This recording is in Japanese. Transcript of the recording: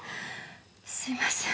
すいません